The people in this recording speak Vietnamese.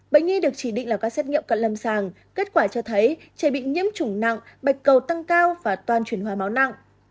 bệnh nhi được chỉ định là các xét nghiệm cận lâm sàng kết quả cho thấy trẻ bị nhiễm chủng nặng bạch cầu tăng cao và toàn chuyển hóa máu nặng